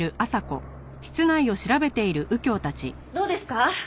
どうですか？